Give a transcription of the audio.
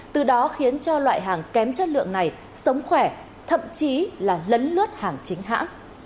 từ đó khiến cho loại hàng kém chất lượng này sống khỏe thậm chí là lấn lướt hàng chính hãng